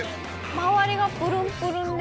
周りがぷるんぷるんで。